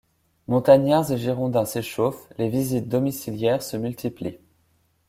Montagnards et Girondins s’échauffent, les visites domiciliaires se multiplient.